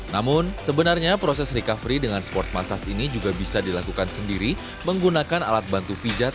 namun sebenarnya proses recovery dengan sport massage ini juga bisa dilakukan sendiri menggunakan alat bantu pijat